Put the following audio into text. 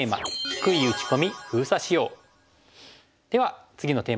では次のテーマ図です。